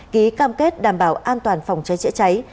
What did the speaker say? ký cam kết đảm bảo an toàn phòng cháy chữa cháy